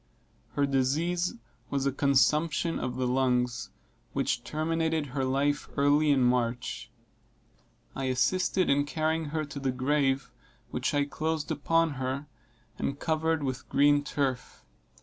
Her disease was a consumption of the lungs, which terminated her life early in March. I assisted in carrying her to the grave, which I closed upon her, and covered with green turf.